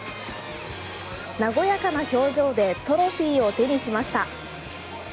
和やかな表情でトロフィーを手にしました。